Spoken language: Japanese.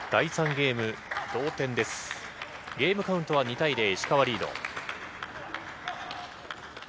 ゲームカウントは２対０石川リード。